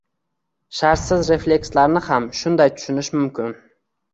Shartsiz reflekslarni ham shunday tushunish mumkin